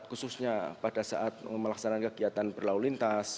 khususnya pada saat melaksanakan kegiatan berlalu lintas